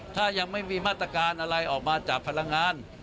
ถ้ายังไม่มีมาตรการอะไรออกมาจากพลังงาน